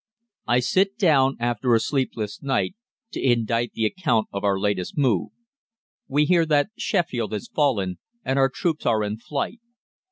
"I sit down, after a sleepless night, to indite the account of our latest move. We hear that Sheffield has fallen, and our troops are in flight.